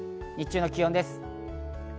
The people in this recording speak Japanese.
日中の気温です。